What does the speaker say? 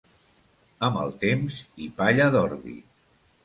Amb el temps i palla d'ordi.